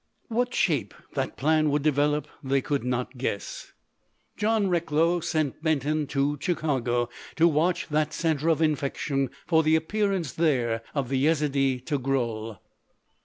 What shape that plan would develop they could not guess. John Recklow sent Benton to Chicago to watch that centre of infection for the appearance there of the Yezidee Togrul.